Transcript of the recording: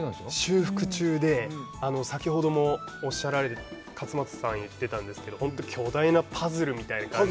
修復中で、先ほどもおっしゃられた、勝俣さん言ってたんですけど、本当巨大なパズルみたいな感じで。